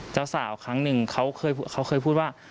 เจ้าสาวครั้งหนึ่งเขาเคยพูดว่า